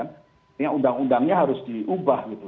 artinya undang undangnya harus diubah gitu